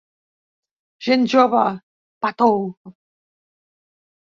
Gent jove, pa tou!